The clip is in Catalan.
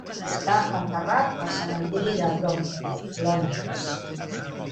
Està enterrat al cementiri de Brompton, Londres.